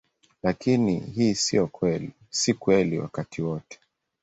Lakini hii si kweli wakati wote.